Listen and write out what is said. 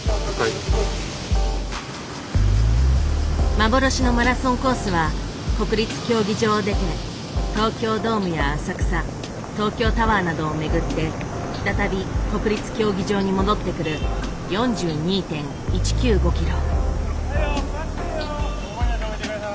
幻のマラソンコースは国立競技場を出て東京ドームや浅草東京タワーなどを巡って再び国立競技場に戻ってくる４２．１９５キロ。